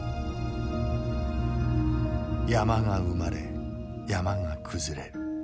山が生まれ山が崩れる。